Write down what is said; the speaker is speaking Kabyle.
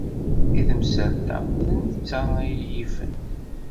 Deg temsalt-a, d netta ay iyi-yifen.